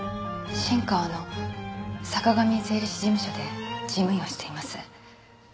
新川の坂上税理士事務所で事務員をしています。